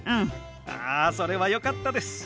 あそれはよかったです。